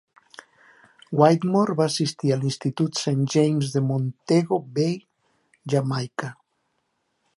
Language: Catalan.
Whitmore va assistir a l'institut Saint James de Montego Bay, Jamaica.